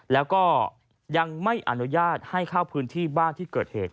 แล้วก็ยังไม่อนุญาตให้เข้าพื้นที่บ้านที่เกิดเหตุ